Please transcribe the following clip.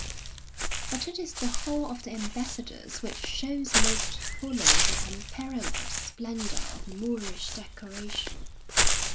But it is the Hall of the Ambassadors which shows most fully the unparalleled splendour of Moorish decoration.